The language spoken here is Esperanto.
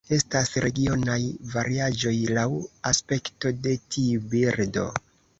Estas regionaj variaĵoj laŭ aspekto de tiu birdo.